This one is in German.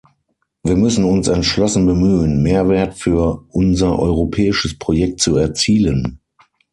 Wir müssen uns entschlossen bemühen, Mehrwert für unser europäisches Projekt zu erzielen.